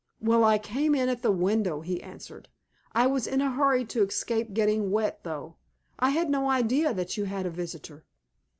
"Well, I came in at the window," he answered. "I was in a hurry to escape getting wet through. I had no idea that you had a visitor!"